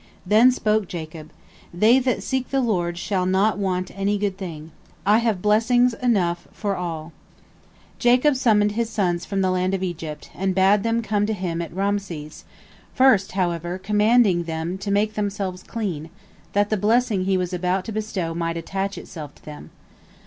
Then spoke Jacob: "They that seek the Lord shall not want any good thing. I have blessings enough for all." Jacob summoned his sons from the land of Egypt, and bade them come to him at Raamses, first, however, commanding them to make themselves clean, that the blessing he was about to bestow might attach itself to them.